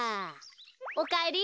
おかえり。